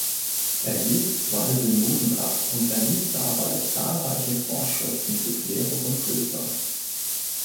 Er hielt zwei Synoden ab und erließ dabei zahlreiche Vorschriften für Klerus und Klöster.